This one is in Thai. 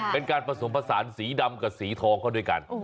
เป็นการผสมผสานสีดำกับสีทองเข้าด้วยกัน